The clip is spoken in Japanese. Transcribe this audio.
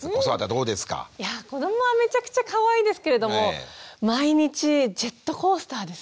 いや子どもはめちゃくちゃかわいいですけれども毎日ジェットコースターですね。